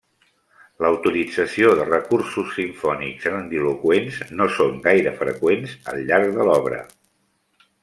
La utilització de recursos simfònics grandiloqüents no són gaire freqüents al llarg de l'obra.